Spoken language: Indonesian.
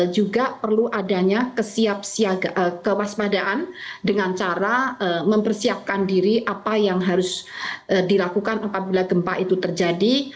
juga perlu adanya kewaspadaan dengan cara mempersiapkan diri apa yang harus dilakukan apabila gempa itu terjadi